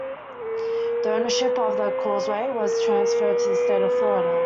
The ownership of the causeway was transferred to the state of Florida.